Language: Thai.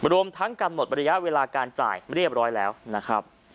รวมทั้งกำหนดระยะเวลาการจ่ายเรียบร้อยแล้วนะครับ